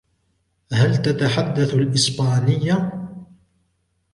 هل تتحدث الإسبانية؟